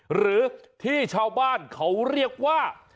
หรือที่ชาวบ้านเขาเรียกว่า